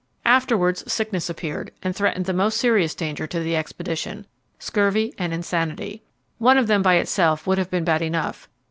Afterwards sickness appeared, and threatened the most serious danger to the expedition scurvy and insanity. One of them by itself would have been bad enough.